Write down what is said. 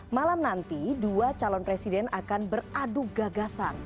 malam nanti dua calon presiden akan beradu gagasan